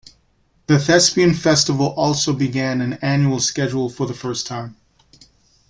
The Thespian Festival also began an annual schedule for the first time.